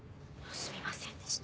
すみませんでした。